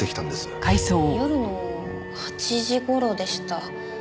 夜の８時頃でした。